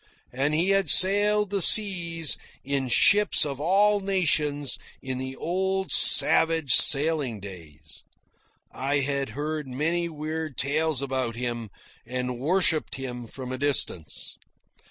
And he had sailed the seas in ships of all nations in the old savage sailing days. I had heard many weird tales about him, and worshipped him from a distance.